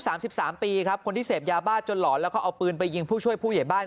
สามสิบสามปีครับคนที่เสพยาบ้าจนหลอนแล้วก็เอาปืนไปยิงผู้ช่วยผู้ใหญ่บ้าน